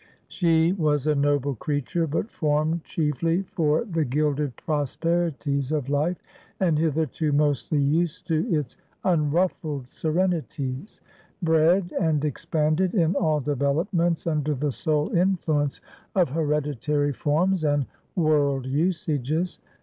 She was a noble creature, but formed chiefly for the gilded prosperities of life, and hitherto mostly used to its unruffled serenities; bred and expanded, in all developments, under the sole influence of hereditary forms and world usages.